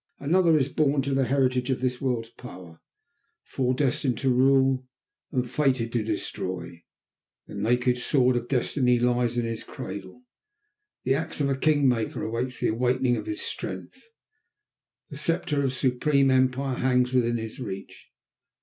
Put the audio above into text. Another is born to the heritage of this world's power, fore destined to rule and fated to destroy; the naked sword of destiny lies in his cradle; the axe of a king maker awaits the awakening of his strength; the sceptre of supreme empire hangs within his reach.